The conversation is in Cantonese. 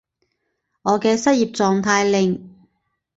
我嘅失業狀態令